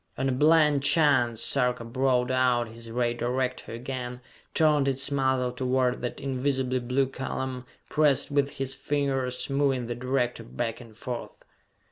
On a blind chance, Sarka brought out his ray director again, turned its muzzle toward that invisibly blue column, pressed with his fingers, moving the director back and forth.